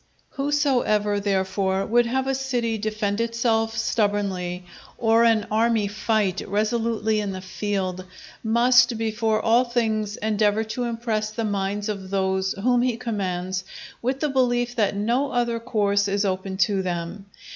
Whosoever, therefore, would have a city defend itself stubbornly, or an army fight resolutely in the field, must before all things endeavour to impress the minds of those whom he commands with the belief that no other course is open to them.